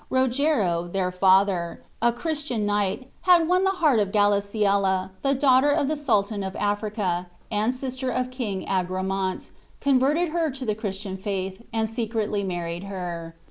Rogero, their father, a Christian knight, had won the heart of Galaciella, daughter of the Sultan of Africa, and sister of King Agramant, converted her to the Christian faith, and secretly married her.